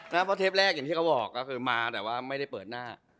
เพราะเทปแรกก็ได้มาแต่ไม่ได้เปิดหน้า